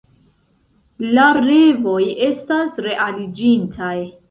La revoj estas realiĝintaj.